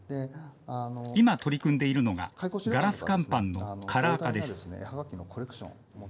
今取り組んでいるのが、ガラス乾板のカラー化です。